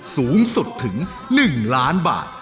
สูงสุดถึง๑ล้านบาท